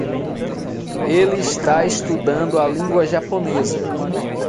Ele está estudando a língua Japonesa.